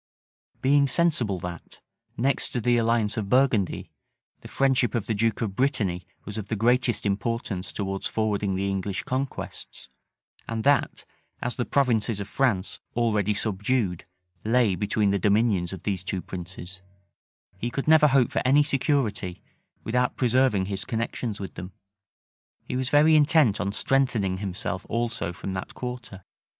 {1423.} Being sensible that, next to the alliance of Burgundy, the friendship of the duke of Brittany was of the greatest importance towards forwarding the English conquests; and that, as the provinces of France, already subdued, lay between the dominions of these two princes, he could never hope for any security without preserving his connections with them; he was very intent on strengthening himself also from that quarter.